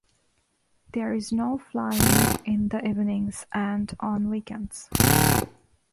There is no flying in the evenings and on weekends.